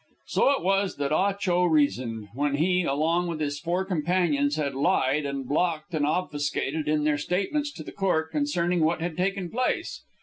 So it was that Ah Cho reasoned, when he, along with his four companions, had lied and blocked and obfuscated in their statements to the court concerning what had taken place.